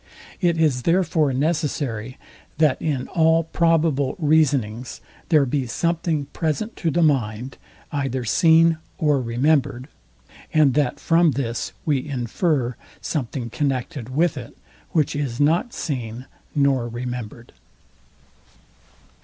It is therefore necessary, that in all probable reasonings there be something present to the mind, either seen or remembered; and that from this we infer something connected with it, which is not seen nor remembered.